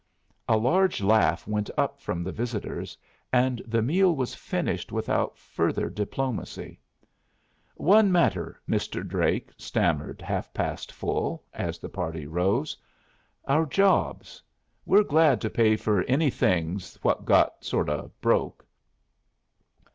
A large laugh went up from the visitors, and the meal was finished without further diplomacy. "One matter, Mr. Drake," stammered Half past Full, as the party rose. "Our jobs. We're glad to pay for any things what got sort of broke."